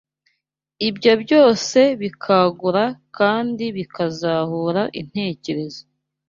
ibyo byose bikangura kandi bikazahura intekerezo